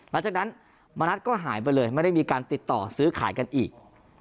หลังจากนั้นมณัฐก็หายไปเลยไม่ได้มีการติดต่อซื้อขายกันอีก